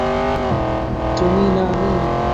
তুমি না আমি?